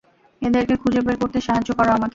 এদেরকে খুঁজে বের করতে সাহায্য করো আমাকে।